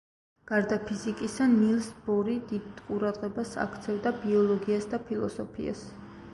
გარდა ფიზიკისა, ნილს ბორი დიდ ყურადღებას აქცევდა ბიოლოგიას და ფილოსოფიას.